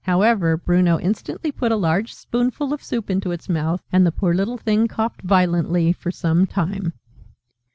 However Bruno instantly put a large spoonful of soup into its mouth, and the poor little thing coughed violently for some time.